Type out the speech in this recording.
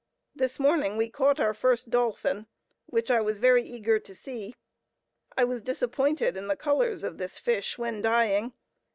This morning we caught our first dolphin, which I was very eager to see. I was disappointed in the colors of this fish when dying.